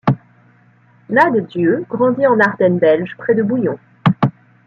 Nade Dieu grandit en Ardennes belge près de Bouillon.